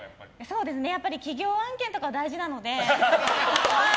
そうですね企業案件とかは大事なので。